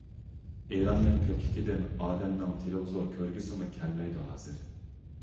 ئېلاننىڭ كۆپلۈكىدىن ئادەمنىڭ تېلېۋىزور كۆرگۈسىمۇ كەلمەيدۇ ھازىر.